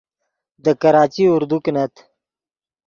دے کراچی اردو کینت